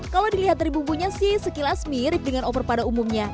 kalau dilihat dari bumbunya sih sekilas mirip dengan over pada umumnya